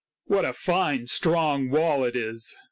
" What a fine, strong wall it is